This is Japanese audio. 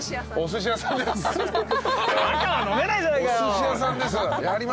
おすし屋さんです。